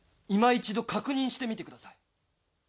一度確認してみてください。